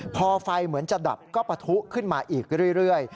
พอไฟเหมือนจะดับก็ปะทุขึ้นมาอีกเรื่อย